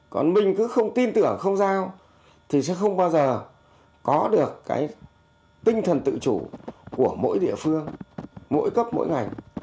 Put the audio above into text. còn mình cứ không tin tưởng không giao thì sẽ không bao giờ có được cái tinh thần tự chủ của mỗi địa phương mỗi cấp mỗi ngành